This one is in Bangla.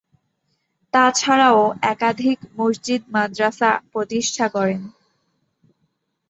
তাছাড়াও একাধিক মসজিদ মাদ্রাসা প্রতিষ্ঠা করেন।